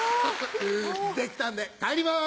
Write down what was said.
できたんで帰ります。